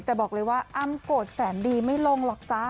แต่บอกเลยว่าอ้ำโกรธแสนดีไม่ลงหรอกจ้า